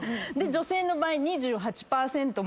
女性の場合２８％もいて。